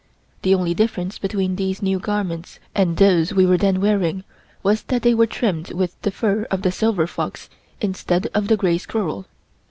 The only difference between these new garments and those we were then wearing was that they were trimmed with the fur of the silver fox instead of the gray squirrel.